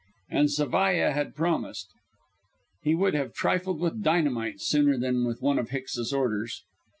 And Zavalla had promised. He would have trifled with dynamite sooner than with one of Hicks's orders.